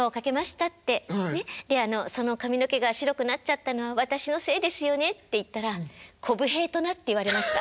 で「その髪の毛が白くなっちゃったのは私のせいですよね」って言ったら「こぶ平とな」って言われました。